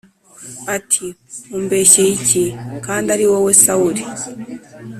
ati “umbeshyeye iki? kandi ari wowe sawuli!”